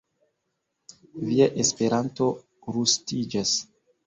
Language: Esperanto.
Via Esperanto rustiĝas.